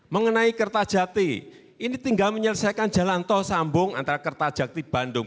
mengenai kerta jati ini tinggal menyelesaikan jalan toh sambung antara kerta jati bandung